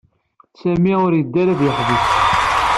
Sami ur yedda ara ad yeḥbes.